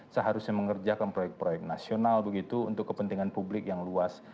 seharusnya mengerjakan proyek proyek nasional begitu untuk kepentingan publik yang luas